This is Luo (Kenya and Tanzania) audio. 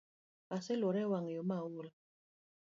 Aseluorora ewang’ayo maol